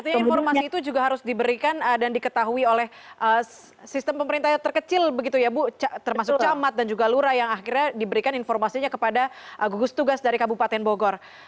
artinya informasi itu juga harus diberikan dan diketahui oleh sistem pemerintah terkecil begitu ya bu termasuk camat dan juga lura yang akhirnya diberikan informasinya kepada gugus tugas dari kabupaten bogor